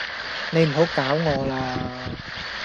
你唔好搞我喇